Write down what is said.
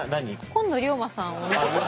今野龍馬さんを見てたら。